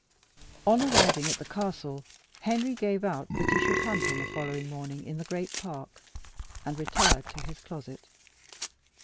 On arriving at the castle, Henry gave out that he should hunt on the following morning in the great park, and retired to his closet.